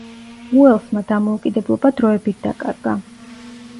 უელსმა დამოუკიდებლობა დროებით დაკარგა.